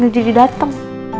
gini jadi dateng